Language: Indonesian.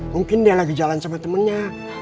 mungkin dia lagi jalan sama temennya